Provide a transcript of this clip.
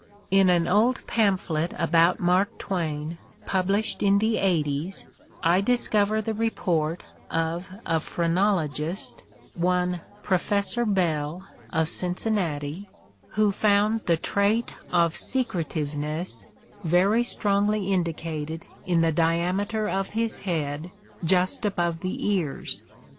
In an old pamphlet about Mark Twain published in the eighties I discover the report of a phrenologist, one "Professor Beall" of Cincinnati, who found the trait of secretiveness very strongly indicated in the diameter of his head just above the ears.